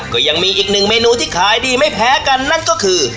ก็ยังมีอีกหนึ่งเมนูที่ขายดีไม่แพ้กันนั่นก็คือ